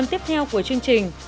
ở phần tiếp theo của chương trình